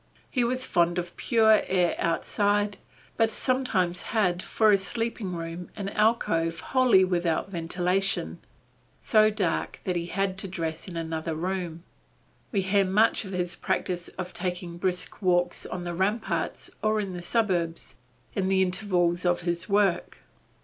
He was fond of pure air outside, but sometimes had for a sleeping room an alcove wholly without ventilation, so dark that he had to dress in another room. We hear much of his practice of taking brisk walks on the ramparts or in the suburbs, in the intervals of his work.